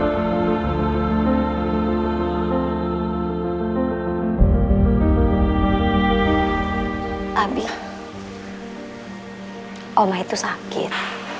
belum sembuh benar